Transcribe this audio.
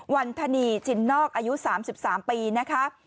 วัลธานีจินนอกอายุสามสิบสามปีนะคะ